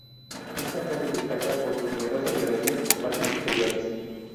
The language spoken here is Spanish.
Esta calle destaca por sus numerosas galerías y patios interiores.